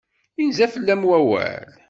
Inza fell-am wawal.